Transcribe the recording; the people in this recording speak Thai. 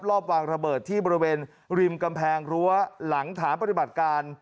รอบวางระเบิดที่บริเวณริมกำแพงรั้วหลังฐานปฏิบัติการ